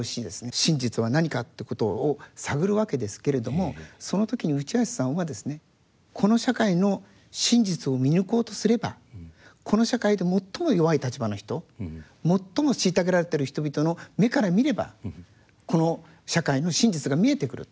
真実は何かってことを探るわけですけれどもその時に内橋さんはですねこの社会の真実を見抜こうとすればこの社会で最も弱い立場の人最も虐げられてる人々の目から見ればこの社会の真実が見えてくると。